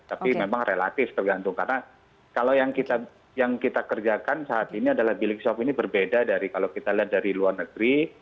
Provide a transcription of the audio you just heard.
tapi memang relatif tergantung karena kalau yang kita kerjakan saat ini adalah bilik shop ini berbeda dari kalau kita lihat dari luar negeri